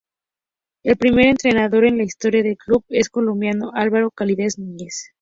El primer entrenador en la historia del club es el colombiano Álvaro "Calidad" Núñez.